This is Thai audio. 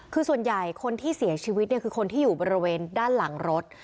คือส่วนใหญ่คนที่เสียชีวิตเนี่ยคือคนที่อยู่บริเวณด้านหลังรถ